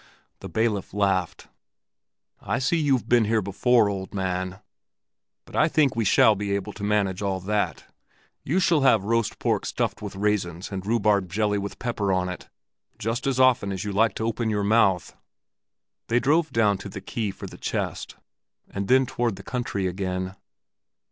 The bailiff laughed. "I see you've been here before, old man. But I think we shall be able to manage all that. You shall have roast pork stuffed with raisins and rhubarb jelly with pepper on it, just as often as you like to open your mouth." They drove down to the quay for the chest, and then out toward the country again.